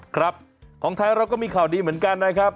ครับของไทยเราก็มีข่าวดีเหมือนกันนะครับ